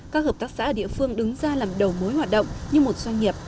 các hợp tác xã ở địa phương đứng ra làm đầu mối hoạt động như một doanh nghiệp